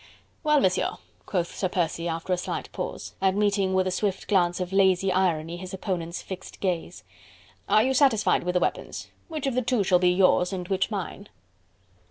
"Well, Monsieur," quoth Sir Percy after a slight pause, and meeting with a swift glance of lazy irony his opponent's fixed gaze. "Are you satisfied with the weapons? Which of the two shall be yours, and which mine?"